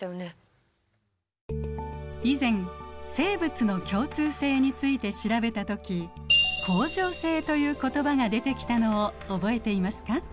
以前「生物の共通性」について調べたとき「恒常性」という言葉が出てきたのを覚えていますか？